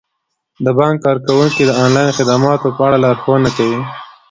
د بانک کارکوونکي د انلاین خدماتو په اړه لارښوونه کوي.